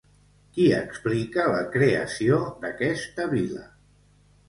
Qui explica la creació d'aquesta vila?